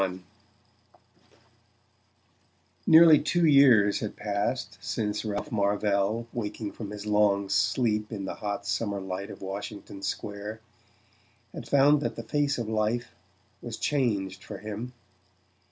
XXXI Nearly two years had passed since Ralph Marvell, waking from his long sleep in the hot summer light of Washington Square, had found that the face of life was changed for him.